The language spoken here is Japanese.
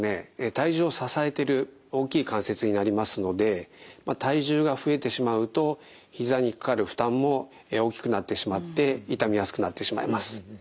体重を支えている大きい関節になりますので体重が増えてしまうとひざにかかる負担も大きくなってしまって傷みやすくなってしまいます。